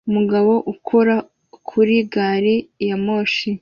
Umugabo ukora kuri gari ya moshi